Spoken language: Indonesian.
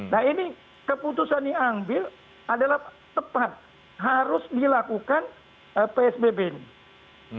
nah ini keputusan diambil adalah tepat harus dilakukan psbb ini